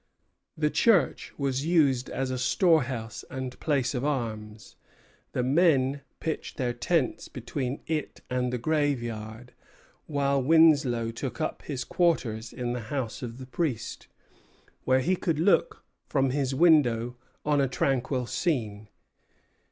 The church was used as a storehouse and place of arms; the men pitched their tents between it and the graveyard; while Winslow took up his quarters in the house of the priest, where he could look from his window on a tranquil scene.